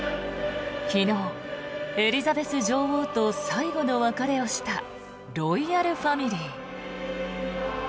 昨日、エリザベス女王と最後の別れをしたロイヤルファミリー。